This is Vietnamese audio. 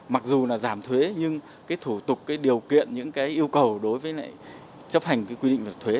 mặc dù là giảm thuế nhưng cái thủ tục cái điều kiện những cái yêu cầu đối với lại chấp hành cái quy định về thuế